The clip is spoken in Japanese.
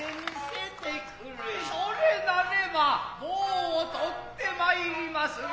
それなれば棒を取って参りまする。